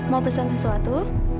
mau pesan sesuatu